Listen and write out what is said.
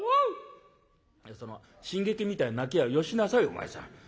「その新劇みたいな泣きはよしなさいお前さん。